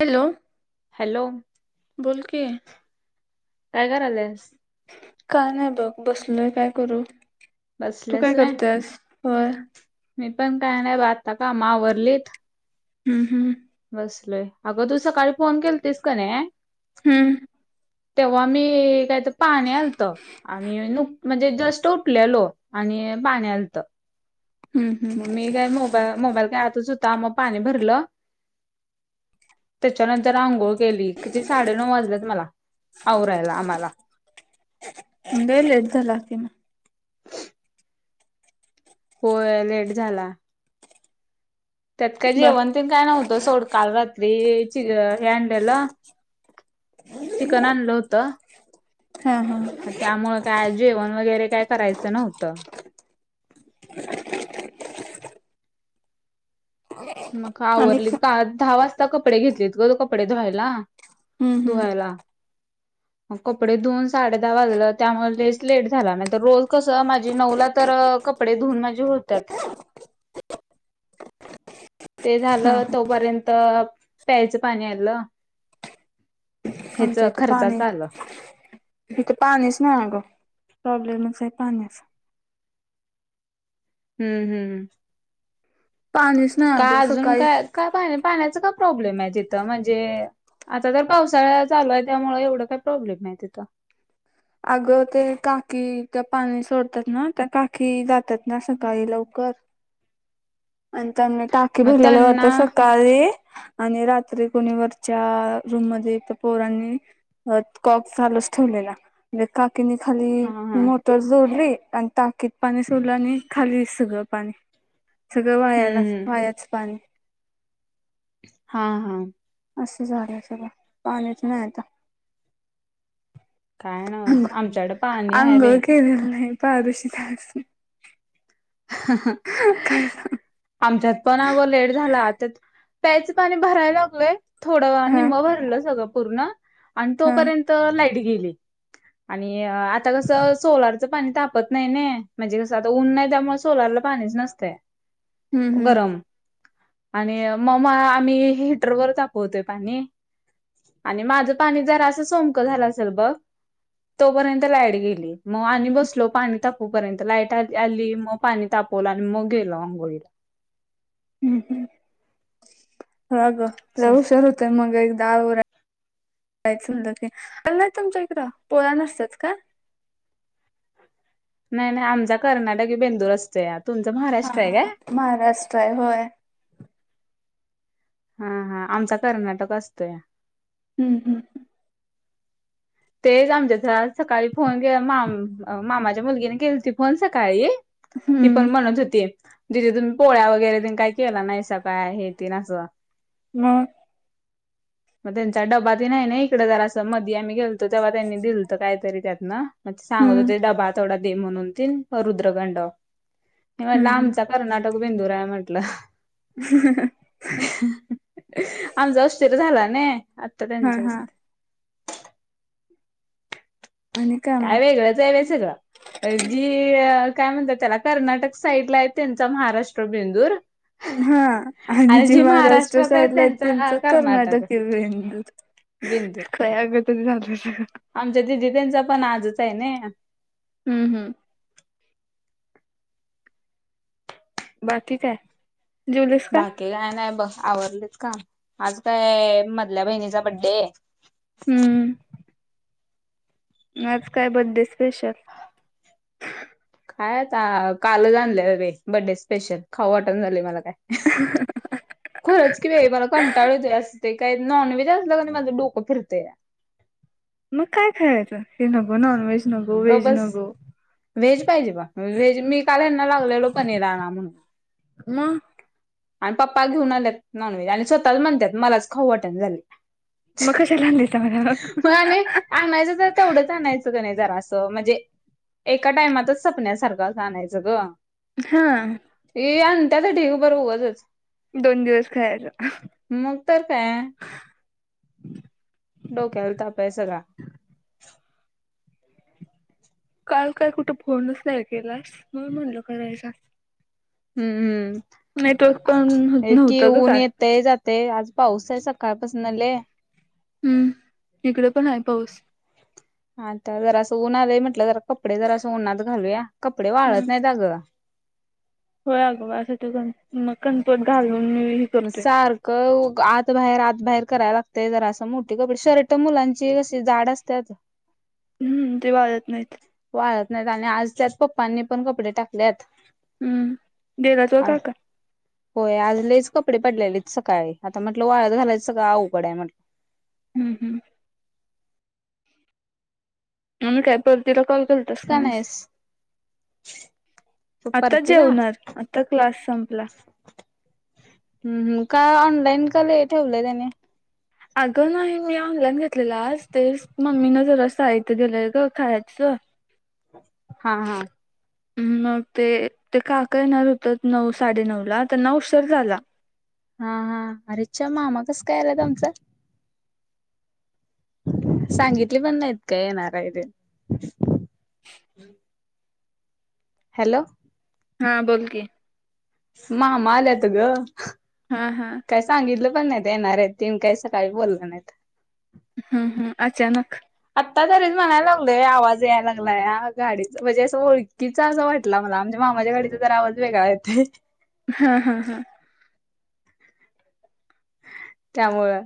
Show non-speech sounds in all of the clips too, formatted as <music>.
Hello! Hello! बोल की. काय करायलेस काय नाही बघ बसलोय, काय करू तू बसलेस काय आहे करतेस व्हय? मी पण काय नाही ब आता काम आवरलेत. हम्म हम्. बसलोय अगं तू सकाळी फोन केला तीस का नाही. हम. तेव्हा मी कायतर पाणी आलत आणि नुक म्हणजे जस्ट उठलेलो आणि पाणी आलत. हम्म मग मी काय मोबाल- मोबाईल काय आतच होता, मग पाणी भरलं. त्याच्यानंतर आंघोळ केली, किती साडेनऊ वाजलेत मला आवरायला आम्हाला. लय लेट झाला की मग. होय लेट झाला. त्यात काय बा जेवण तेन काय नव्हतं सोड काल रात्री ची -हे आणलेलं चिकन आणलं होतं. हा हा. त्यामुळं काय आज जेवण वगैरे काय करायचं नव्हतं मग आणि आवरली का पा- दहा वाजता आता कपडे घेतलेत ग तो कपडे धुवायला हम्म हम्म धुवायला. <inaudible> आज कपडे धुऊन साडे दहा वाजलं त्यामुळे लयच लेट झाला, नाहीत रोज कसं माझी नऊला तर क कपडे धुऊन माझे होत्यात. ते हा झालं हा तोपर्यंत प्यायचं पाणी आलं. हेच खर्चाच आल. हिथं पाणीच नाय आग प्रॉब्लेमच आहे पाण्याचा हम्म हम्म. पाणीच नाही का अगं अजून सकाळी काय काय पानी -पाण्याचा का प्रॉब्लेमे तिथं महजे आता तर पावसाळाचालू आहे त्यामुळे एवढं काही प्रॉब्लेम नाही तिथं. अगं ते काकी त्या पाणी सोडतात ना त्या काकी जातात ना सकाळी लवकर. अन त्यांनी टाकी मग भरलेली त्यांना होते सकाळ अरे आणि रात्री कोणी वरच्या रूममध्ये इथं पोरांनी अगं कॉक चालूच ठेवलेला नी काकींनी खाली हा हा हम्म मोट तो जोडली आणि टाकीत पाणी सोडलं आणि खाली सगळं पाणी. सगळं वायाला हम्म वायाचं पाणी. हा हा. असं झालय सगळं पाणीच न्हाय आता. काय नव्हच हो आमच्याकडे पाणी आहे बे अंघोळ केली न्हाय पारोशीच हाईस. <inaudible> काय <unintelligible> आमच्यात पण अगं लेट झाला त्यात प्यायचं पाणी भराय लागलोय. थोडं हा निम्म भरलं सगळं पूर्ण आणि हा तोपर्यंत लाईट गेली. आणि आता कसं सोलार च पानी तापत नाई ने, म्हणजे कसं आता उन नाई त्यामुळ सोलारला‌ पाणीच नसतंय हम्म हम्म गरम. आणि म मा -आमी हिटर वर तापवतोय पाणी. आणि माझं पाणी जरा असं सोंकं झालं असेल बघ तोपर्यंत लाईट गेली. म आणि बसलो पाणी तापोपर्यंत लाईट आली आली म पाणी तापवलं म गेलो आंघोळीला. हम हम हा ग लय उशीर होतोय मग एकदा आवराय. कायच <unintelligible> की अन् नय तुमच्या इकडे पोळ्या नसतात काय? नाय नाय आमचा कर्नाटकी बेंदूर असतोया. तुमचा हा महाराष्ट्र हाय हा हा काय? महाराष्ट्र हाय होय. हा हा आमचा कर्नाटक असतोय. हम्म हम्. तेच आमच्या घरात सकाळी फोन केल माम अ- मामाच्या मुलगीने केलंती फोन सकाळी. ही हम्म पण म्हणत होती. दीदी तुम्ही पोळ्या वगैरे तेन काय केला नाईसा काय हे तेन असं. मग. म त्यांचा डबा तेन हाय नी इकडं जरासं मध्ये आम्ही गेलो त तेवा त्यांनी दिल त काय तरी त्यातन सांगत हम्म होते डबा तेवढा दे म्हणून तेन रुद्र गंड मी म्हणलं हम्म हम्म आमचा कर्नाटक बेंदूर हाय म्हंटलं. आमचा उशीर झाला ने आता हा त्यांचा हा असते. आणि मग? काय वेगळंच आहे रे सगळं. जी अ काय म्हणत्यात त्याला कर्नाटक साईडला आहे ते त्यांचा महाराष्ट्र बेंदूर. हा आणि जे महाराष्ट्र साईडला आहे त्यांचा कर्नाटक हे बेंदूर ‌. बेंदूर <unintelligible> आमच्या दीदी त्यांचा पण आजच आहे नय. हम्म हम्म. बाकी काय जेवलीस का? ते काय नाय बस आवरलेत काम आज काय मधल्या बहिणीचा बड्डे हम्म. म आज काय बड्डे स्पेशल? काय आता कालच आणलेलं बाई बड्डे स्पेशल खाऊ वाटना झालाय मला. <unintelligible> खरंच की रे मला कंटाळ येतोय असते काय नॉनव्हेज असला की माझं डोकं फिरते. मग काय खायचं हे नको नॉन व्हेज नको गप व्हेज बस नको. व्हेज पाहिजे बा व्हेज मी काल ह्यांना लागलेलो पनीराना आणा म्हणून. मग? आणि पप्पा घेऊन आल्यात नॉनव्हेज आणि स्वतःच म्हणताय मलाच खाऊ वाटण न झाले. मग कशाले आणले? म आणि आणायचं तर तेवढंच आणायचं क नाही जरा असं म्हणजे एका टायमातच सपन्यासारखं आणायचं गं. हा. ये आण त्यासाठी उ बरं उगचच दोन दिवस खायचं. मग तर काय. डोक्याल ताप आहे सगळा. काल काय कुठं फोनच नाही केलास म्हणून म्हणलं करायचा. हम्म हम्म. नेटवर्क पण नव्हतं गं काल. ते जाते आज पाऊस आहे सकाळ पासूनं लय. हम्म इकडे पण आहे पाऊस. आता जर असं उन्हाला म्हटलं जरा कपडे जर असं उन्हात घालूया कपडे हम्म वाढत नाहीत अगं. होय अगवा साठी पण <unintelligible> घालून मी म करतोय. सार कव आत बाहेर आत बाहेर करायला लागतय जरा असं मोठी कपडे शर्ट मुलांची कशी जाड असत्यात. हम्म ते वाळत नाहीत. वाळत नाहीत आणि आज त्यात पप्पांनी पण कपडे टाकल्यात. हम्म देडाचर काका. होय आज लईचं कपडे पडलेलेच सकाळी आता म्हटलं वाळत घालायच सगळं अवघड आहे म्हट हम्म हम्म. मम काय पर तीला कॉल कल का नाहेस आता जेवणार आता क्लास संपला. हम्म हम्म काय ऑनलाईन काल हे ठेवलंय त्याने. अगं नाही मी ऑनलाईन घेतलेला आज तेच मम्मी न जरा साहित्य दिली आहे गं खायचं. हा, हा मग ते, ते काका येणार होत, नऊ साडेनऊला त्यांना उशीर झाला. हा, हा अरेच्चा, मामा कसं काय आल्यात आमचं? सांगितली पण नाहीत, का येणार आहे तेे? हॅलो हा, बोल की मामा आल्यात गं हा, हा काय सांगितलं पण नाही, येणार आहेत ते, काय सकाळी बोलल नाहीत हम्म, हम्म, अचानक आत्ता धरीच म्हणाय लागलोय, आवाज याला लागलाया, गाडीच म्हणजे असं ओळखी तीचा असं वाटला मला, आमच्या मामाच्या गाडीचा जरा आवाज वेगळा येथय हा, हा, हा त्यामुळं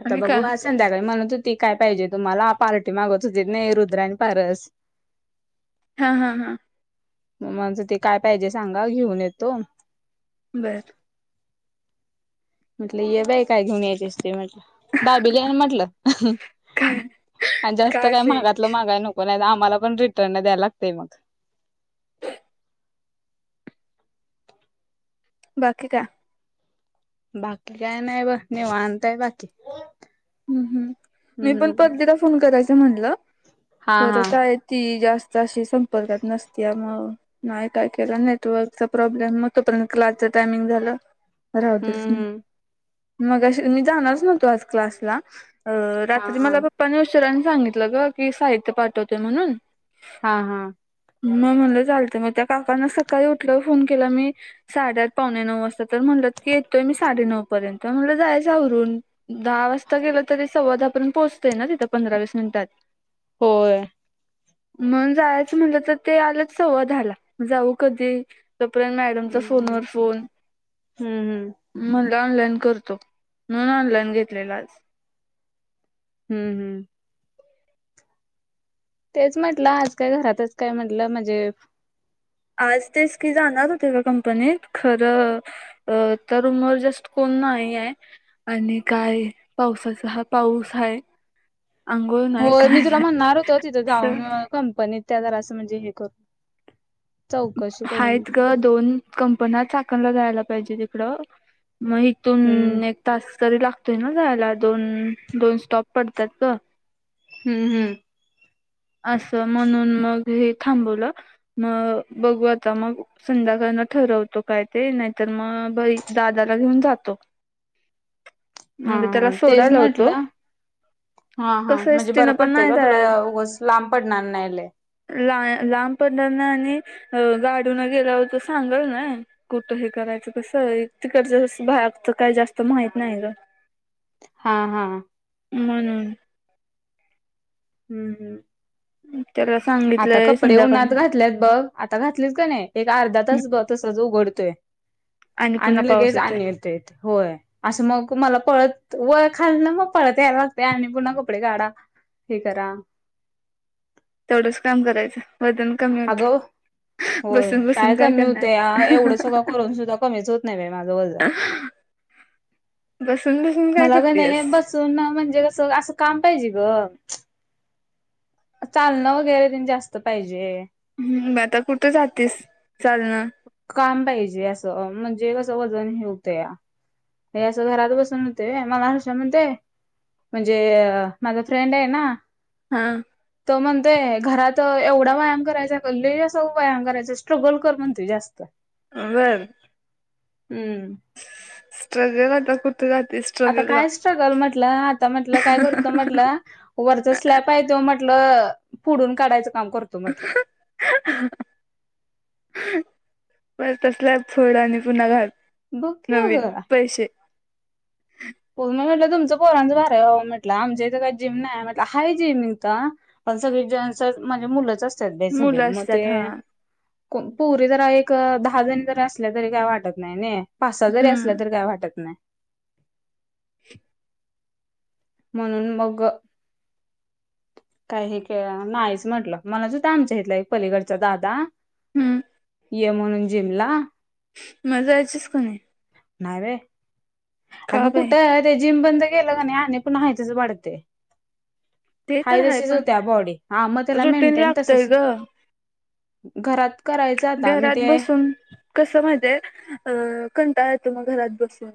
आता आणि का बघू, आज संध्याकाळी म्हणत ती, काय पाहिजे तुम्हाला, पार्टी मागत होतीेत, नई रुद्रा आणि पारस हा, हा, हा म माचं, ते काय पाहिजे सांगा, घेऊन येतो बरं म्हटलं, ये बाई, काय घेऊन यायचेस ते म्हटलं. दाबीली आणि म्हटलं काय आणि जास्त काय महागातलं मागाय नको पूण्यांदा आम्हाला पण रिटर्न न द्यायला लागतय मग बाकी का बाकी, काय नाय बघ, निवांत आहे बाकी. हुंम, हुंम, मी पण हम्म परतीला फोन करायचा म्हणलं हा हा खरं काय? ती जास्त अशी संपर्कात नसतीया म्हणून नाही काय केलं, नेटवर्कचा प्रॉब्लेम, मग तोपर्यंत क्लासच टायमिंग झालं. राहू दे हम्म <unintelligible> हम्म मगाशी मी जाणारच नव्हतो आज क्लासला अ हा रात्री हा मला पप्पान उशीरान सांगितलं ग, की साहित्य पाठवतोय म्हणून हा, हा मग म्हणलं चालतं, मग त्या काकाना सकाळी उठल्याव फोन केला मी साडेआठ पावणे नऊ वाजता, तर म्हणलंत की येतोय मी साडेनऊ पर्यंत, म्हटलं जायच आवरून. दहा वाजता गेलं तरी, सव्वा दहापर्यंत पोहोचतय ना, तिथं पंधरा वीस मिनिटात. होय मग जायचं म्हटलं तर ते आलंच सव्वाधाला जाऊ कधी? तपर्यंत मॅडमचा हम्म. फोनवर फोन. हम्म हम्म म्हणलं ऑनलाईन करतो म्हणून ऑनलाइन घेतलेला आज हम्म, हम्म तेच म्हटलं, आज काय घरातच काय, म्हटलं म्हणजे आज तेच की, जाणार होते मी कंपनीत, खरं अ तर उमर जस्ट कोण नाही आहे आणि काय पावसाचा हा पाऊस हाय होय मी तुला म्हणणार होत, तिथं असं जाऊन कंपनीत, त्या जरासं म्हणजे हे कर हायत गं, दोन कंपण्या चाकणला जायला पाहिजे तिकडं मग हम्म इथून एक तास तरी लागतोय, ना जायला दोन दोन स्टॉप पडतात ग. हम् हम्.... असं म्हणून मग हे थांबवलं मग बघू आता मग.. संध्याकाळणं ठरवतो काय ते नाहीतरमग भाई दादाला घेऊण जातो. <inaudible> हा हा तेच सोडायला होतो म्हटलं हा हा कसं म्हणजे बरं एसटीनं पण पडतय नाही ग जाय तुला उगच. लांब पडणार नाय लय. लां ला लांब पडणार नाय आणि अ अ गाडीने गेल्यावरती सांगल नाय. कुठं हे करायचं कसं तिकडच्या बाहेर तर काही जास्त माहीत नाय ग. हा हा.... म्हणून.... हम्म हम्.. त्याला सांग. आता कपडे उन्हात घातलेत बघ, आता घातलीच काना नाही एक अर्धा तास बघ तसच उघडतोय आणि पुन्हा पाऊस लगेच येतोय आणेल ते होय. असं मग तुम्हाला पळत वळ- खाल् न मग पळत यायला लागते आणि पुन्हा कपडे काढा. हे करा. तेवढंच काम करायचं वजन कमी होतय. अगं होय बसून बसून काय कमी करणार होतया एवढं सगळं करून सुद्धा कमीच होत नाही बाई माझं वजन. हह..... बसून बसून काय करतेयस स स.... सोना म्हणजे, अस अस काम पाहिजे ग ग.... चालण वगैरे त्यांनी जास्त पाहिजे. हम् आता कुठं जातेस चालणं काम पाहिजे असं म्हणजे, कसं वजन हे होतंया. हे असं घरात बसून होतंय वी मग माणस म्हणतेय म्हणजे अ अ माझा फ्रेंड आहे ना. हा हा हा तो म्हणतोय घरात एवढा व्यायाम करायचा कि लयअसा व्यायाम करायचा स्ट्रगल कर म्हणतय. ते जास्त अ बर <unintelligible> हम्म.. स्ट्रगल आता कुठे जातीस. आता काय स्ट्रगल म्हटलं, आता म्हटलं काय करू तर म्हटलं. वरचा स्लॅप हाय तो म्हटलं, फोडून काढायचं काम करतो म्हटलं. अं अं बस तसला फेड आणि पुन्हा घाल. बघ की अगं नवीन जरा. पैसे. मी म्हटलं तुमचं पोरांचं बघा काय मी म्हटल हो म्हटलं आमच्या इथं काही जिम नाही म्हटलं हाय जिनिंगच आ <unintelligible> पण सगळे जेट्स म्हणजे मुलंच असत्यात बाई सगळी मुलं मग ते. असतात हा पोरी जरा एक दहा जणी जरी असले तरी काय वाटत नाय नाय. पाच सहा जरी असल्या हम्म तरी काय वाटत नाय. म्हणून मग ग... काही हे नाहीच म्हटलं म्हणत होता आमच्या इथला एक पलीकडचा दादा हम्म ये म्हणून जिमला मग जायचीस की नाही? नाय बाय. का अगं बाई कुठं ते जिम बंद केलं आणि आहे पण त्याचं वाढतंय. ते तर हाय आहे तसंच पण होत्या बॉडी हा मग त्याला रुटीन मेंटेन लागतय तसच ग घरात कराय घरात बसून कसं माहितीये अ कंटाळा येतो म घरात बसून.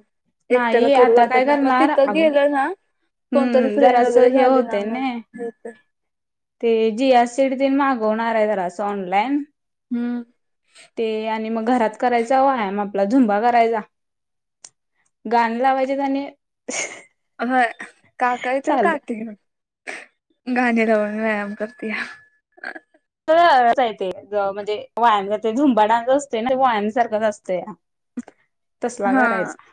एकट्याला नाही करू आता काय वाटत नाही म करणार तिथं अगं गेलं ना कोणतरी हम्म फ्रेंड जरासं वगैरे हे झाली ना होतंय नई मग येतं. ते जिया सीड तेन मागवणार आहे जरासं ऑनलाईन. हम्म. आणि मग घरात करायचं वय म आपला झुंबा करायचा गाणे लावायचे आणि होय काका येतील चालू काठी घेऊन गाणे लावन व्यायाम करत्या. तच आहे ते ज म्हणजे वाया जे झुंबा डान्स असते ना वान सारखंच असत्या. तसला हा करायचा.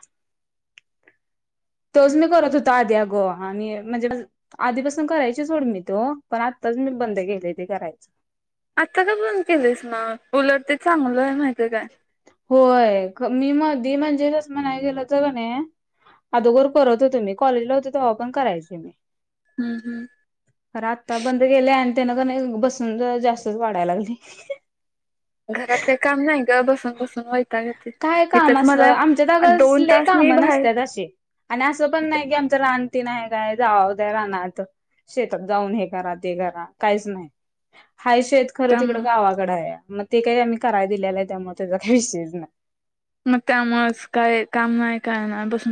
तोच मी करत होतो आधी अगं आणि म्हणजे बस आधीपासून करायची सोड मी तो पण आत्ताच मी बंद केले ते करायच. आत्ता का बंद केलीस मग उलट ते चांगलं आहे माहिती काय. होय ख मी मधी म्हणजे जस म्हण गेलं होतं की नाही अदोगर करत होतो मी कॉलेजला होतो तेव्हा पण करायचे मी. हम्म हम्म. खरं आत्ता बंद गेले आणि त्यान का नाही अजून बसून जास्तच वाढाय लागली. घरात का काम नाही गं बसून बसून वैताग ये काय काम असलं आमच्या जा गं असले तास मी काम बाहेर नसत्यात असे. आणि असं पण नाही की आमच राण तेन आहे काय जाऊ त्या रानात. शेतात जाऊन हे करा ते करा काहीच नाही हाय शेत खरं त्या तिकडं गावाकडं आहे म ते काही आम्ही कराय दिलेलं आहे त्यामुळे त्याचा काही विषयच नाही. मग त्यामुळेच काय काम नाही काय नाही बसून